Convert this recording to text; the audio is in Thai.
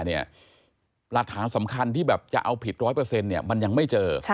หลักฐานสำคัญที่แบบจะเอาผิด๑๐๐มันยังไม่เจอ